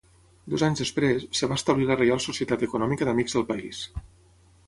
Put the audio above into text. Dos anys després, es va establir La Reial Societat Econòmica d'Amics del País.